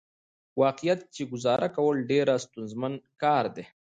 واقعيت چې ګزاره کول ډېره ستونزمن کار دى .